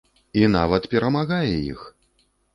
І нават перамагае іх!